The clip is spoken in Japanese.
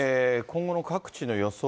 今後の各地の予想